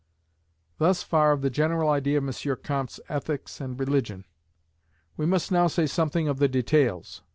Thus far of the general idea of M. Comte's ethics and religion. We must now say something of the details.